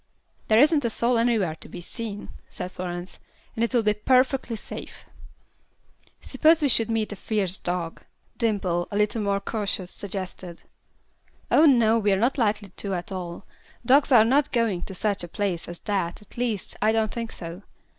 "There isn't a soul anywhere to be seen," said Florence, "and it will be perfectly safe." "Suppose we should meet a fierce dog," Dimple, a little more cautious, suggested. "Oh, no, we're not likely to at all. Dogs are not going to such a place as that, at least, I don't think so.